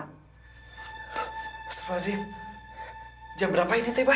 mas radiem jam berapa ini teh pak